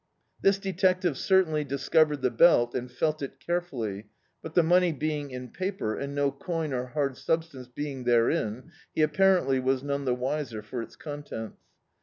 This detective certainly discovered the belt, and felt it carefully, but the money being in paper, and no coin or hard substance being therein, he apparently was none the wiser for its contents.